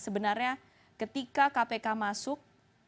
sebenarnya ketika kpk masuk